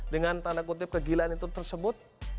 dengan tanda kutip kegilaan itu tersebut